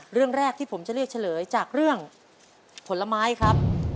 เรื่องแรกที่ผมจะเลือกเฉลยจากเรื่องผลไม้ครับ